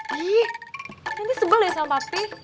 ki nanti sebel ya sama pak pi